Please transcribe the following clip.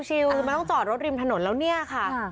ไม่ต้องจอดรถริมถนนแล้วเนี่ยค่ะ